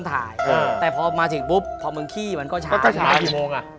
ถ้าจะบ่ายสองมาตรงคืออยู่กันให้ใคร